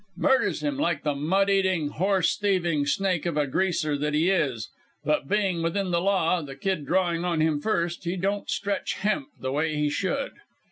Murders him like the mud eating, horse thieving snake of a Greaser that he is; but being within the law, the kid drawing on him first, he don't stretch hemp the way he should.